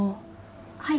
はい。